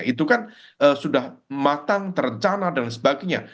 itu kan sudah matang terencana dan sebagainya